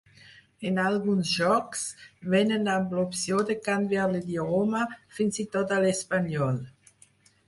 En alguns jocs, vénen amb l'opció de canviar l'idioma, fins i tot a l'espanyol.